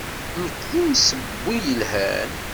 Nekk d imsewwi yelhan.